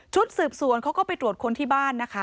สืบสวนเขาก็ไปตรวจคนที่บ้านนะคะ